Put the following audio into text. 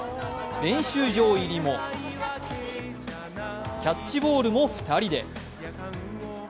練習場入りもキャッチボールも２人で。